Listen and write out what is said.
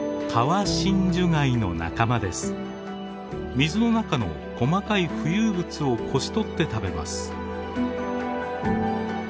水の中の細かい浮遊物をこしとって食べます。